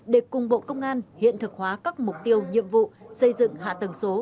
để cùng bộ công an hiện thực hóa các mục tiêu nhiệm vụ xây dựng hạ tầng số